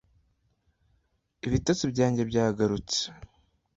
Ibitotsi byanjye byaragurutse